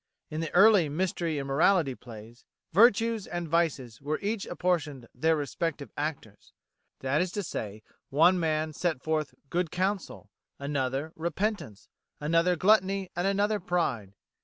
In the early Mystery and Morality plays, virtues and vices were each apportioned their respective actors that is to say, one man set forth Good Counsel, another Repentance, another Gluttony, and another Pride.